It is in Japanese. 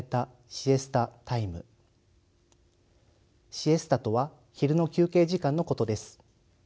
シエスタとは昼の休憩時間のことです。